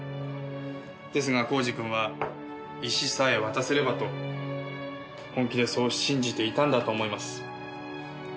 ですが耕治君は石さえ渡せればと本気でそう信じていたんだと思います。